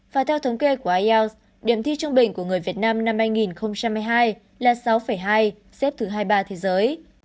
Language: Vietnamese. và theo thống kê của ielts điểm thi trung bình của người việt nam năm hai nghìn hai mươi hai là sáu hai xếp thứ hai mươi ba thế giới